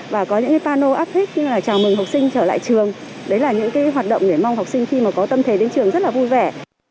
đấy là những cái hoạt động để mong học sinh khi mà có tâm thể đến trường rất là vui vẻ